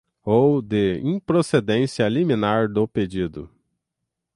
ou de improcedência liminar do pedido